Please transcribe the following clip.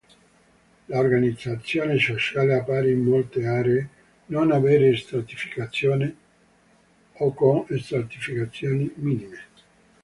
L'organizzazione sociale appare in molte aree non avere stratificazioni o con stratificazioni minime.